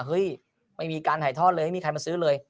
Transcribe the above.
เฮ้ยไม่มีการถ่ายทอดเลยไม่มีใครมาซื้อเลย